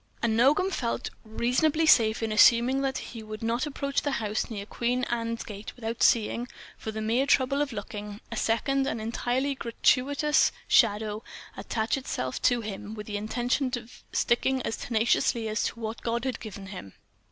And Nogam felt reasonably safe in assuming that he would not approach the house near Queen Anne's Gate without seeing (for the mere trouble of looking) a second and an entirely gratuitous shadow attach itself to him with the intention of sticking as tenaciously as that which God had given him.